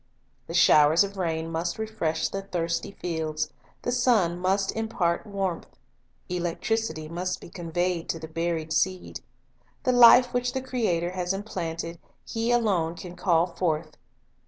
The showers of rain must refresh the thirsty fields; the sun must impart warmth; electricity must be conveyed to the buried seed. The life which the Creator has implanted, He alone can call forth.